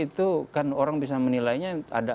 itu kan orang bisa menilainya ada